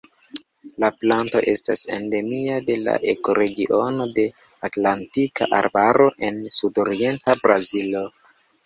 La planto estas endemia de la ekoregiono de Atlantika Arbaro en sudorienta Brazilo.